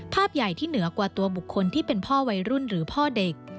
ภาพใหญ่ที่เหนือกว่าตัวบุคคลที่เป็นพ่อวัยรุ่นหรือพ่อเด็ก